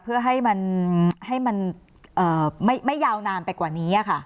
เพื่อให้มันไม่ยาวนานไปกว่านี้ค่ะ